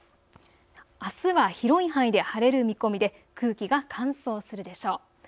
あすは広い範囲で晴れる見込みで空気が乾燥するでしょう。